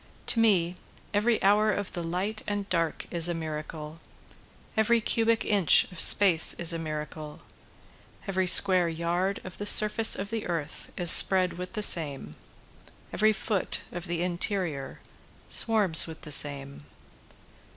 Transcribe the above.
To me every hour of the light and dark is a miracle, Every cubic inch of space is a miracle, Every square yard of the surface of the earth is spread with the same, Every foot of the interior swarms with the same.